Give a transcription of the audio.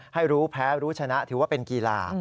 ให้รู้แพ้รู้ชนะถือว่าเป็นกีฬา